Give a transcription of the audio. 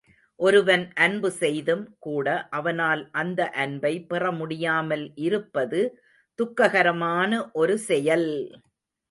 ஒருவன் அன்பு செய்தும் கூட அவனால் அந்த அன்பை பெறமுடியாமல் இருப்பது துக்ககரமான ஒரு செயல்!